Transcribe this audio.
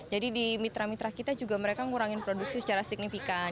jadi di mitra mitra kita juga mereka ngurangin produksi secara signifikan